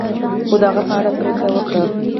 خو د هغه په اړه پریکړه وکړه.